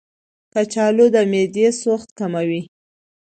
کچالو د معدې سوخت کموي.